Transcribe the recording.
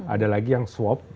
ada lagi yang swap